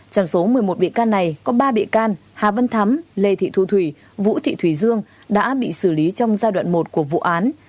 trong số một mươi một bị can này có ba bị can hà văn thắm lê thị thu thủy vũ thị thùy dương đã bị xử lý trong giai đoạn một của vụ án